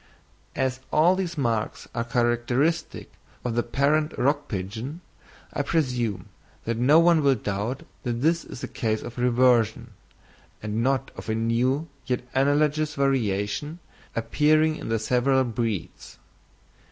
As all these marks are characteristic of the parent rock pigeon, I presume that no one will doubt that this is a case of reversion, and not of a new yet analogous variation appearing in the several breeds.